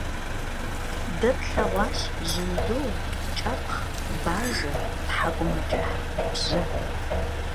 De tlheğuaş jındu, ç'epxh, bajje, thek'umeç'ıh, bğe.